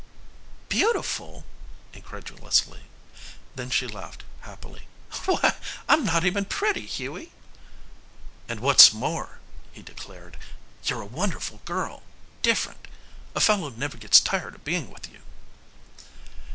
"Beautiful?" incredulously. Then she laughed happily, "Why, I'm not even pretty, Hughie." "And what's more," he declared, "you're a wonderful girl different a fellow never gets tired of being with you."